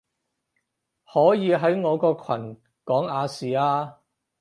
可以喺我個群講亞視啊